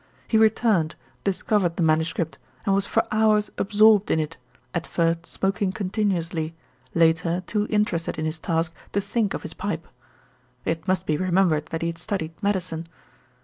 He returned, discovered the manuscript, and was for hours absorbed in it, at first smoking continuously, later too interested in his task to think of his pipe. It must be remembered that he had studied medicine."